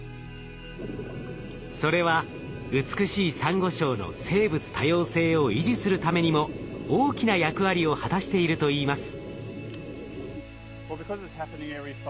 それは美しいサンゴ礁の生物多様性を維持するためにも大きな役割を果たしているといいます。